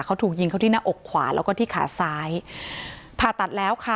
เขาถูกยิงเขาที่หน้าอกขวาแล้วก็ที่ขาซ้ายผ่าตัดแล้วค่ะ